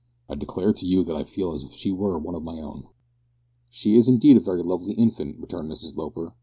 I declare to you that I feel as if she were one of my own." "She is indeed a very lovely infant," returned Mrs Loper.